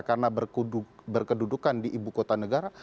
karena berkedudukan di ibu kota negara